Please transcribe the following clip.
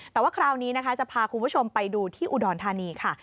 แต่ว่าคราวนี้นะคะจะพาคุณผู้ชมไปดูที่อุดรธานีค่ะ